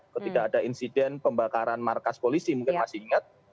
ketika ada insiden pembakaran markas polisi mungkin masih ingat